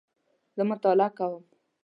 زه مطالعه کوم